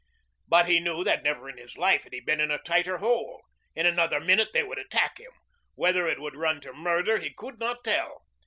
But he knew that never in his life had he been in a tighter hole. In another minute they would attack him. Whether it would run to murder he could not tell.